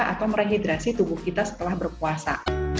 atau merehidrasi tubuh kita setelah berpuasa